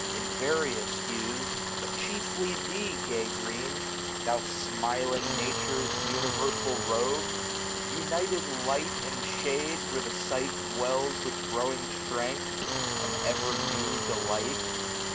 In various hues ; but chiefly thee, gay Green ! Thou smiling Nature's universal robe ! SPRING. United light and shade ! where the sight dwells With growing strength, and ever new delight.